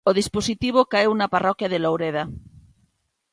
O dispositivo caeu na parroquia de Loureda.